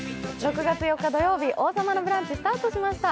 ６月４日土曜日、「王様のブランチ」スタートしました。